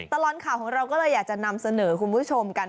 ตลอดข่าวของเราก็เลยอยากจะนำเสนอคุณผู้ชมกัน